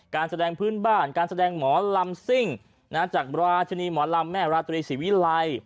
การแสดงพื้นบ้านการแสดงหมอลำซิ่งจากราชินีหมอลำแม่ราตรีศรีวิลัย